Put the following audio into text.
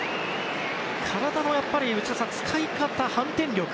体の使い方、反転力